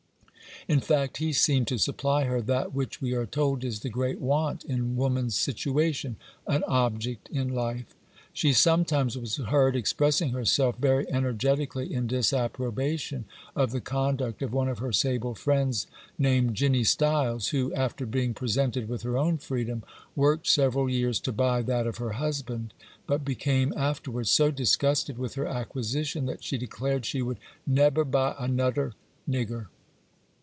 In fact, he seemed to supply her that which we are told is the great want in woman's situation,—an object in life. She sometimes was heard expressing herself very energetically in disapprobation of the conduct of one of her sable friends, named Jinny Stiles, who, after being presented with her own freedom, worked several years to buy that of her husband, but became afterwards so disgusted with her acquisition that she declared she would, 'neber buy anoder nigger.